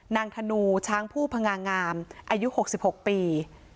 นางธนูช้างผู้พงางามอายุหกสิบหกปี